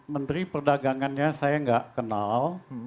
menteri perdagangannya saya nggak kenal